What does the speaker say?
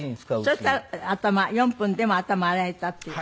そしたら頭４分でも頭洗えたっていう？